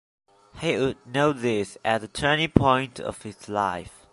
He would note this as the turning point of his life.